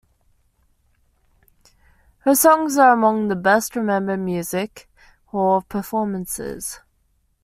Her songs are among the best-remembered music hall performances.